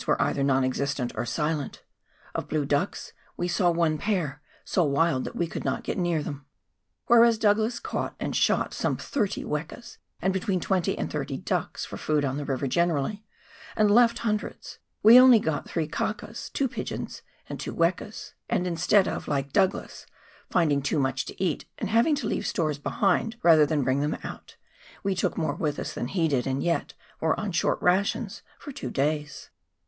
were either non existent or silent — of blue ducks we saw one pair, so wild that we could not get near them. Whereas Douglas caught and shot some thirty wekas and between twenty and thirty ducks for food on the river generally, and left hundreds, we only got three kakas, two pigeons, and two wekas ; and instead of, like Douglas, finding too much to eat, and having to leave stores behind rather than bring them out, we took more with us than he did, and yet were on short rations for two days.